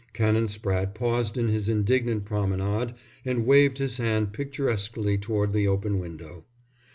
Canon Spratte paused in his indignant promenade and waved his hand picturesquely towards the open window.